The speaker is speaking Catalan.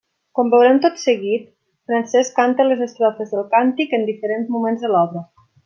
Com veurem tot seguit, Francesc canta les estrofes del Càntic en diferents moments de l'obra.